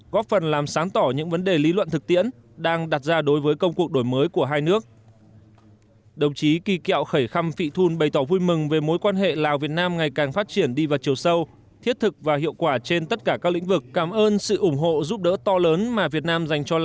góp phần làm sáng tỏ những vấn đề lý luận thực tiễn đang đặt ra đối với công cuộc đổi mới của hai nước